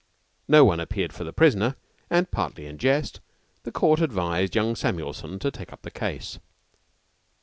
No one appeared for the prisoner, and, partly in jest, the court advised young Samuelson to take up the case.